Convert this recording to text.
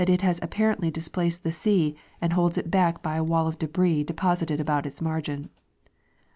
it has ai^parently displaced the sea and holds it back by a wall of debris deposited' about its margin.